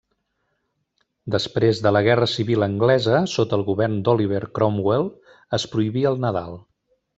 Després de la Guerra Civil Anglesa, sota el govern d'Oliver Cromwell es prohibí el Nadal.